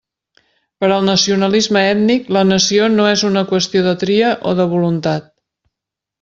Per al nacionalisme ètnic, la nació no és una qüestió de tria o de voluntat.